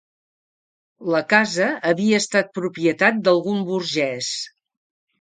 La casa havia estat propietat d'algun burgès